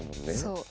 そう。